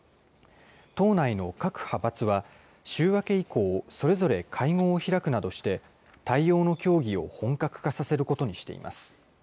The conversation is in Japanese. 党内の各派閥は、週明け以降、それぞれ会合を開くなどして、対応の協議を本格化させることにしています。